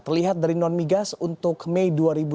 terlihat dari non migas untuk mei dua ribu dua puluh